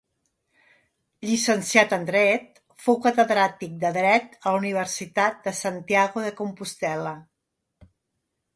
Llicenciat en dret, fou catedràtic de dret a la Universitat de Santiago de Compostel·la.